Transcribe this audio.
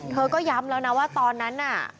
เธอก็ย้ำแล้วนะว่าตอนนั้นน่ะ